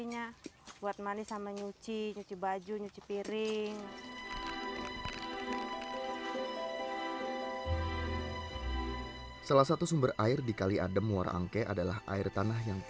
ya buat itu sehari harinya